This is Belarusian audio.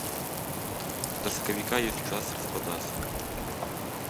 Да сакавіка ёсць час распрадацца.